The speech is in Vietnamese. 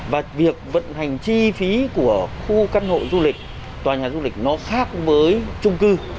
và việc vận hành chi phí của khu căn hộ du lịch tòa nhà du lịch nó khác với trung cư